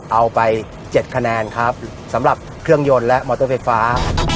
เอาไป๗คะแนนครับสำหรับเครื่องยนต์และมอเตอร์ไฟฟ้า